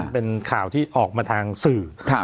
เป็นข่าวที่ออกมาทางสื่อ